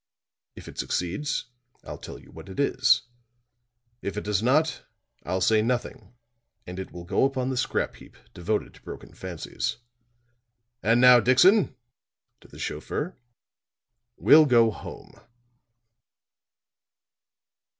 If it succeeds, I'll tell you what it is; if it does not, I'll say nothing, and it will go upon the scrap heap devoted to broken fancies. And now, Dixon," to the chauffeur, "we'll go home."